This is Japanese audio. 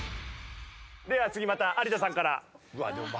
では次また有田さんから。